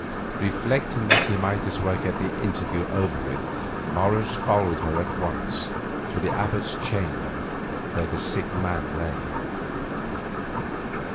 Reflecting that he might as well get the interview over, Morris followed her at once to the Abbot's chamber, where the sick man lay.